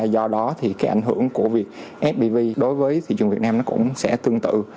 do đó thì cái ảnh hưởng của fpv đối với thị trường việt nam nó cũng sẽ tương tự